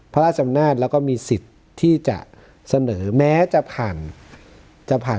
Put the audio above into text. พระราชอำนาจแล้วก็มีสิทธิ์ที่จะเสนอแม้จะผ่านจะผ่าน